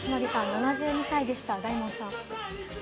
７２歳でした、大門さん。